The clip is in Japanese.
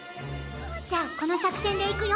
じゃあこのさくせんでいくよ！